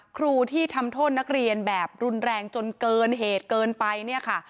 ครูที่ทำโทษนักเรียนแบบรุนแรงจนเกินเหตุเกินไปเนี่ยค่ะ